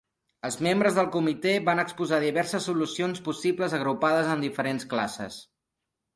Els membres del Comitè van exposar diverses solucions possibles agrupades en diferents classes.